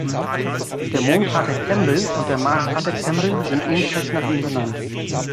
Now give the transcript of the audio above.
Der Mondkrater Campbell und der Marskrater Campbell sind ebenfalls nach ihm benannt.